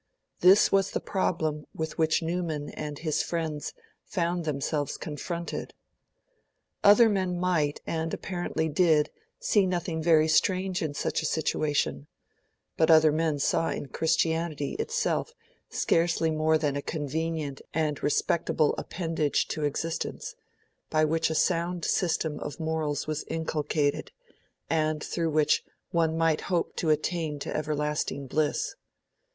This was the problem with which Newman and his friends found themselves confronted. Other men might, and apparently did, see nothing very strange in such a situation; but other men saw in Christianity itself scarcely more than a convenient and respectable appendage to existence, by which a sound system of morals was inculcated, and through which one might hope to attain to everlasting bliss.